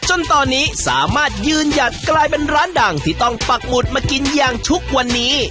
จนตอนนี้สามารถยืนหยัดกลายเป็นร้านดังที่ต้องปักหมุดมากินอย่างทุกวันนี้